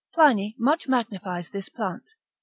Pliny much magnifies this plant.